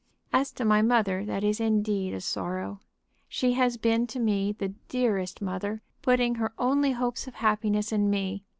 "As to my mother, that is indeed a sorrow. She has been to me the dearest mother, putting her only hopes of happiness in me.